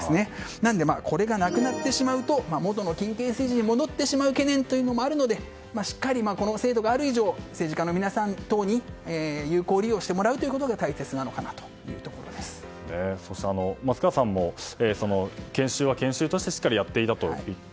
なのでこれがなくなってしまうと元の金権政治に戻ってしまう懸念があるのでしっかり、この制度がある以上政治家の皆さんに有効利用してもらうということでそして、松川さんも研修は研修としてしっかりやっていたといった。